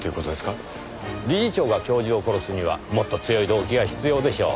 理事長が教授を殺すにはもっと強い動機が必要でしょう。